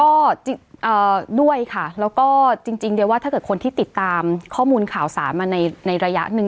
ก็ด้วยค่ะแล้วก็จริงเดี๋ยวว่าถ้าเกิดคนที่ติดตามข้อมูลข่าวสารมาในระยะหนึ่ง